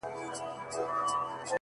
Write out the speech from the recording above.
ځمه و لو صحراته ـ